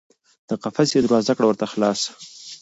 د قفس یې دروازه کړه ورته خلاصه